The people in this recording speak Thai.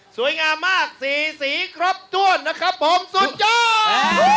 สวยงามมากสี่สีครบถ้วนนะครับผมสุดยอด